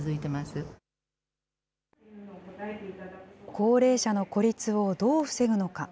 高齢者の孤立をどう防ぐのか。